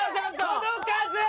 届かず！